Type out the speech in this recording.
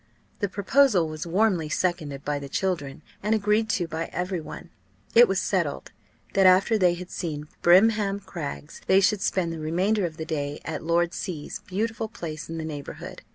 The proposal was warmly seconded by the children, and agreed to by every one. It was settled, that after they had seen Brimham Crags they should spend the remainder of the day at Lord C 's beautiful place in the neighbourhood.